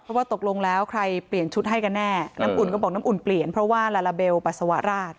ว่าตกลงแล้วใครเปลี่ยนชุดให้กันแน่น้ำอุ่นก็บอกน้ำอุ่นเปลี่ยนเพราะว่าลาลาเบลปัสสาวะราช